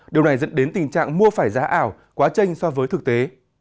điều này dẫn đến tình trạng mua phải giá ảo quá tranh so với thực tế